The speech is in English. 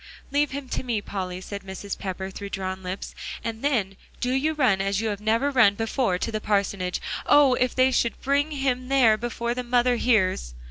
"Leave him to me, Polly," said Mrs. Pepper, through drawn lips, "and then do you run as you have never run before, to the parsonage. Oh! if they should bring him there before the mother hears."